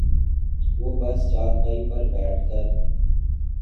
وہ بس چارپائی پر بیٹھ کر